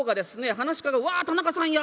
噺家が「わあ田中さんや」